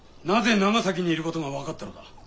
なぜ長崎にいることが分かったのだ。